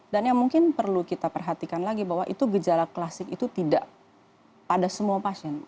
dan yang mungkin perlu kita perhatikan lagi bahwa itu gejala klasik itu tidak pada semua pasien